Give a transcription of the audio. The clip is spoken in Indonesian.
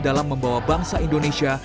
dalam membawa bangsa indonesia